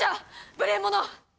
無礼者！